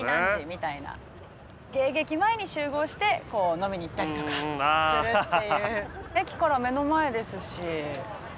芸劇前に集合して飲みに行ったりとかするっていう。